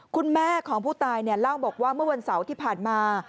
คุณแม่ของผู้ตายเล่าบอกว่าเมื่อวันเสาร์ที่ผ่านมา